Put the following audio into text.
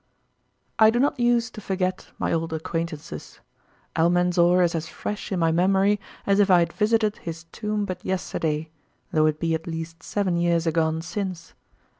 I do not use to forget my old acquaintances. Almanzor is as fresh in my memory as if I had visited his tomb but yesterday, though it be at least seven year agone since.